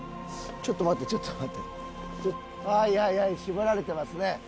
ちょっと待てちょっと待てああいやいや縛られてますね